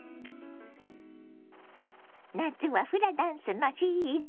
夏はフラダンスのシーズン。